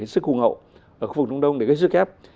sức hù ngậu ở khu vực trung đông để gây sức ép